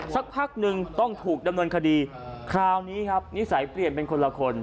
สักพักหนึ่งต้องถูกดำเนินคดีคราวนี้ครับนิสัยเปลี่ยนเป็นคนละคน